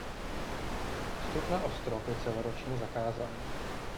Vstup na ostrov je celoročně zakázán.